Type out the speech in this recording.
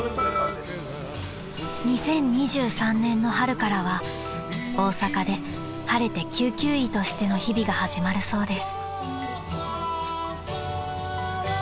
［２０２３年の春からは大阪で晴れて救急医としての日々が始まるそうです］